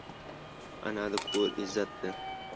انا د کور عزت ده